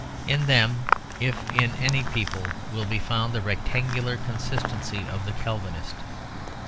In them, if in any people, will be found the rectangular consistency of the Calvinist.